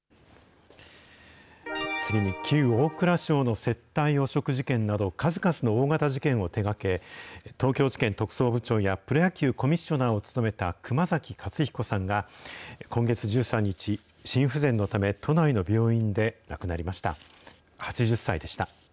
次に、旧大蔵省の接待汚職事件など、数々の大型事件を手がけ、東京地検特捜部長やプロ野球コミッショナーを務めた熊崎勝彦さんが、今月１３日、心不全のため、都内の病院で亡くなりました。